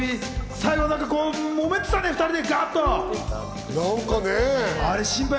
最後もめてたね、２人で。